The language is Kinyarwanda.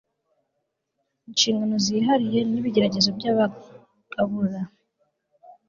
inshingano zihariye n'ibigeragezo by'abagabura